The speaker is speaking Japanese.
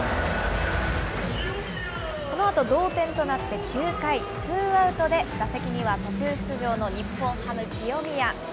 このあと、同点となって９回、ツーアウトで打席には途中出場の日本ハム、清宮。